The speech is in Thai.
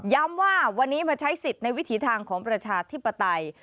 ว่าวันนี้มาใช้สิทธิ์ในวิถีทางของประชาธิปไตย